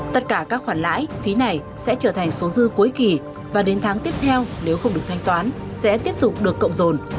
tất cả các khoản lãi phí này sẽ trở thành số dư cuối kỳ và đến tháng tiếp theo nếu không được thanh toán sẽ tiếp tục được cộng rồn